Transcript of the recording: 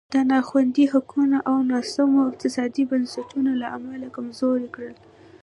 د نا خوندي حقونو او ناسمو اقتصادي بنسټونو له امله کمزوری کړل.